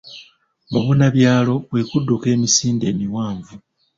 Mubunabyalo kwe kudduka emisinde emiwanvu.